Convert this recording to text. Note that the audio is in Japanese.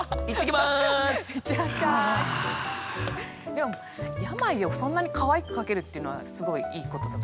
でも「病」をそんなにかわいく書けるっていうのはすごいいいことだと思います。